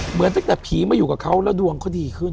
เหมือนตั้งแต่ผีมาอยู่กับเขาแล้วดวงเขาดีขึ้น